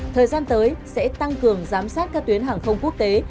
thời gian tới sẽ tăng cường giám sát các tuyến hàng không quốc tế